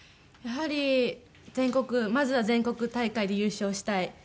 やはり全国まずは全国大会で優勝したい。